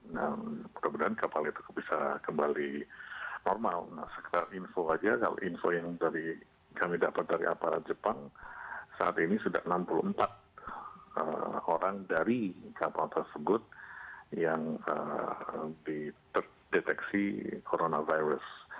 nah mudah mudahan kapal itu bisa kembali normal sekitar info saja kalau info yang kami dapat dari aparat jepang saat ini sudah enam puluh empat orang dari kapal tersebut yang dideteksi coronavirus